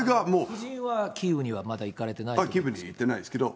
夫人はキーウにはまだ行かれてないですけど。